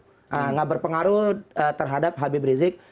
tidak berpengaruh terhadap habib rizik